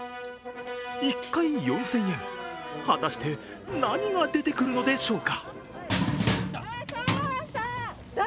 １回４０００円、果たして何が出てくるのでしょうか。